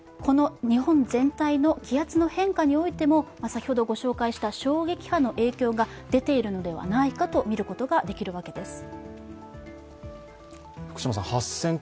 日本全体の気圧の変化においても、先ほどご紹介した衝撃波の影響が出ているのではないかとみることができるわけです。